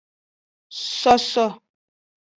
Soso.